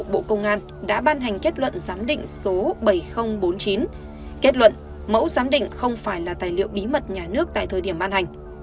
bộ công an đã ban hành kết luận giám định số bảy nghìn bốn mươi chín kết luận mẫu giám định không phải là tài liệu bí mật nhà nước tại thời điểm ban hành